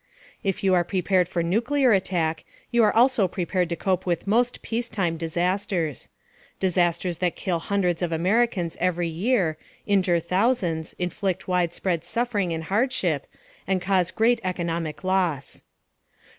If you are prepared for nuclear attack, you are also prepared to cope with most peacetime disasters disasters that kill hundreds of Americans every year, injure thousands, inflict widespread suffering and hardship, and cause great economic loss.